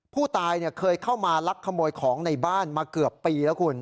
ผู้ตายเคยเข้ามาลักขโมยของในบ้านมาเกือบปีแล้วคุณ